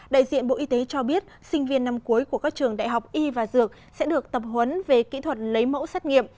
đại diện bộ y tế cho biết sinh viên năm cuối của các trường đại học y và dược sẽ được tập huấn về kỹ thuật lấy mẫu xét nghiệm